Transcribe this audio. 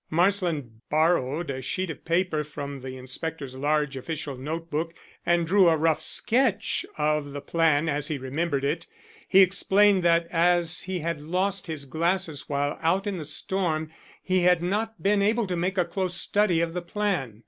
Marsland borrowed a sheet of paper from the inspector's large official note book and drew a rough sketch of the plan as he remembered it. He explained that as he had lost his glasses while out in the storm he had not been able to make a close study of the plan.